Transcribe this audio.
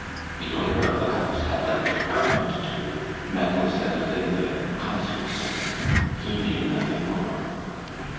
The owner of the house had let the apartment to 'Mademoiselle Linda, concert singer,' He knew nothing more.